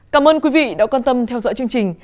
cảm ơn quý vị đã quan tâm theo dõi chương trình